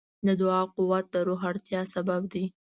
د دعا قوت د روح لوړتیا سبب دی.